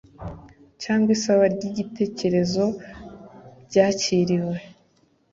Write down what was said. cyangwa isaba ry igitekerezo byakiriwe ?